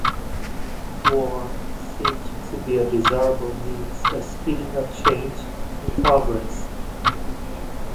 War seemed to be a desirable means of speeding up change and progress.